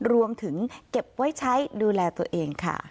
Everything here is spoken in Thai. รวมถึงเก็บไว้ใช้ดูแลตัวเองค่ะ